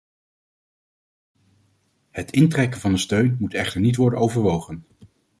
Het intrekken van de steun moet echter niet worden overwogen.